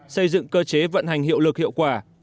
xây dựng cơ chế vận hành hiệu lực hiệu quả